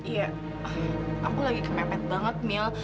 iya aku lagi kepepet banget mil